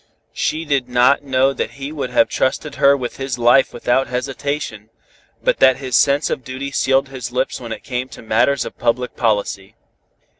She did not know that he would have trusted her with his life without hesitation, but that his sense of duty sealed his lips when it came to matters of public policy.